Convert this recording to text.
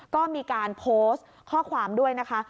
ก็มีการโพสต์ข้อความด้วยนะคะ